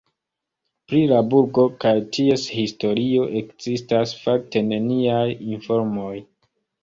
Pri la burgo kaj ties historio ekzistas fakte neniaj informoj.